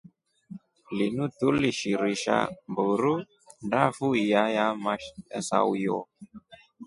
Linu tulishirisha mburu ndafu iya ya masahuyo.